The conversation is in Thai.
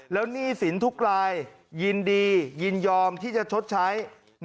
แล้วหนี้สินทุกรายยินดียินยอมที่จะชดใช้